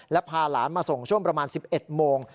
และพาหลานมาส่งช่วงประมาณ๑๑โมง